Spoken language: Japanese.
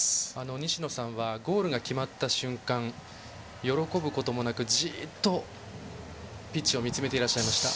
西野さんはゴールが決まった瞬間喜ぶこともなくじっとピッチを見つめていらっしゃいました。